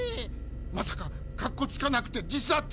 まさかかっこつかなくて自殺。